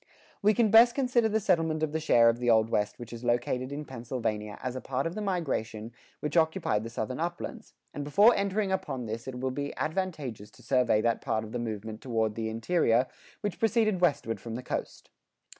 We can best consider the settlement of the share of the Old West which is located in Pennsylvania as a part of the migration which occupied the Southern Uplands, and before entering upon this it will be advantageous to survey that part of the movement toward the interior which proceeded westward from the coast.